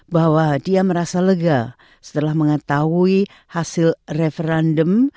bahwa dia merasa lega setelah mengetahui hasil referendum